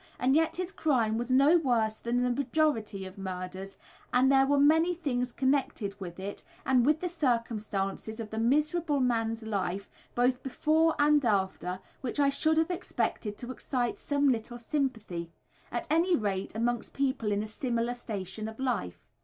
And yet his crime was no worse than the majority of murders, and there were many things connected with it, and with the circumstances of the miserable man's life, both before and after, which I should have expected to excite some little sympathy; at any rate, amongst people in a similar station of life.